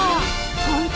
本当！